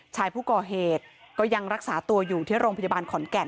ชายผู้ก่อเหตุก็ยังรักษาตัวอยู่ที่โรงพยาบาลขอนแก่น